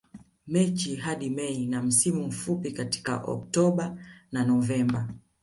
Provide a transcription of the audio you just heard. Machi hadi Mei na msimu mfupi katika Oktoba na Novemba